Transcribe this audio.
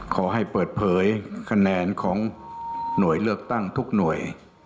ขอให้เปิดเผยคะแนนของหน่วยเลือกตั้งทุกหน่วย